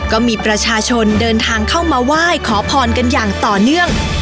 ก็มีประชาชนเดินทางเข้ามาไหว้ขอพรกันอย่างต่อเนื่อง